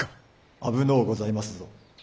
危のうございますぞ。